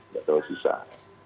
nggak terlalu susah